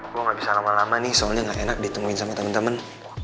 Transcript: gue gak bisa lama lama nih soalnya gak enak ditemuin sama teman teman